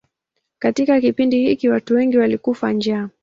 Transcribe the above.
Katika kipindi hiki watu wengi walikufa njaa.